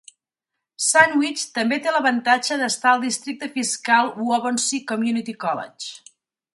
Sandwich també té l"avantatge d"estar al districte fiscal Waubonsee Community College.